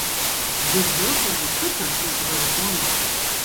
Дызлыҵыз иқыҭа игәра ргон.